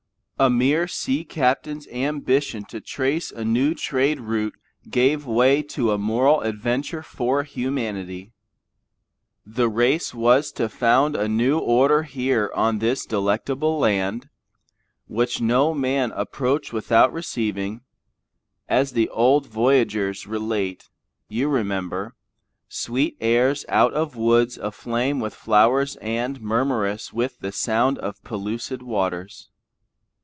A mere sea captain's ambition to trace a new trade route gave way to a moral adventure for humanity. The race was to found a new order here on this delectable land, which no man approached without receiving, as the old voyagers relate, you remember, sweet airs out of woods aflame with flowers and murmurous with the sound of pellucid waters.